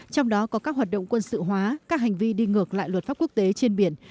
trong đó có các hoạt động quân sự hóa các hành vi đi ngược lại luật pháp quốc tế trên biển